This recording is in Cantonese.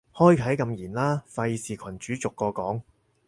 開啟禁言啦，費事群主逐個講